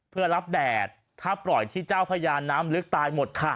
เพื่อรับแดดถ้าปล่อยที่เจ้าพญาน้ำลึกตายหมดค่ะ